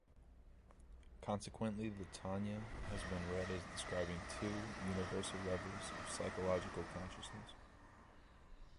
Consequently, the Tanya has been read as describing two universal levels of psychological consciousness.